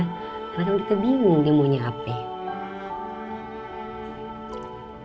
karena kan kita bingung dia mau nyapain